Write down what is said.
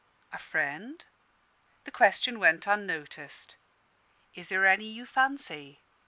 "A friend?" The question went unnoticed. "Is there any you fancy?"